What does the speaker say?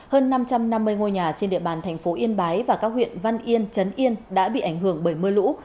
hơn năm trăm năm mươi ngôi nhà trên địa bàn thành phố yên bái và các huyện văn yên trấn yên đã bị ảnh hưởng bởi mưa lũ